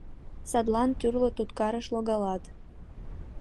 Садлан тӱрлӧ туткарыш логалат...